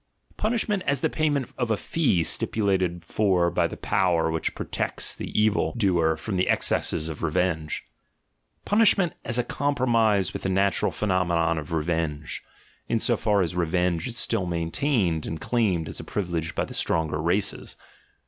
— Punishment, as the payment of a fee stipulated for by the power which protects the evil doer from the excesses of revenge. — 72 THE GENEALOGY OF MORALS Punishment, as a compromise with the natural phenom enon of revenge, in so far as revenge is still maintained and claimed as a privilege by the stronger races.